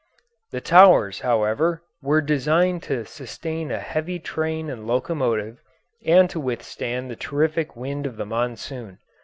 The towers, however, were designed to sustain a heavy train and locomotive and to withstand the terrific wind of the monsoon.